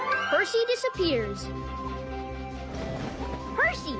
パーシー！